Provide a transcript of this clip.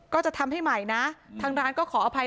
ก็จะทำให้ใหม่นะทางร้านก็ขออภัย